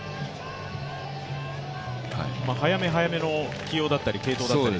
早め早めの起用だったり継投だったり？